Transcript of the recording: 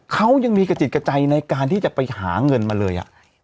เขายังมีกระจิตกระใจในการที่จะไปหาเงินมาเลย